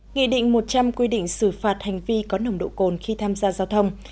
nghị định một trăm linh quy định xử phạt hành vi có nồng độ cồn khi tham gia giao thông